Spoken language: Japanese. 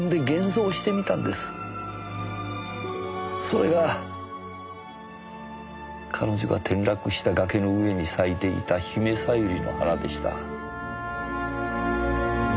それが彼女が転落した崖の上に咲いていた姫小百合の花でした。